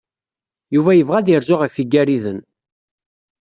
Yuba yebɣa ad yerzu ɣef Igariden.